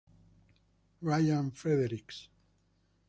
Ryan Fredericks